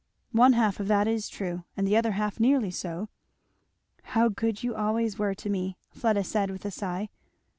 "One half of that is true, and the other half nearly so." "How good you always were to me!" Fleda said with a sigh.